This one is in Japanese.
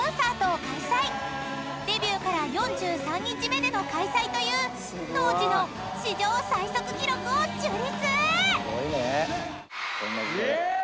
［デビューから４３日目での開催という当時の史上最速記録を樹立！］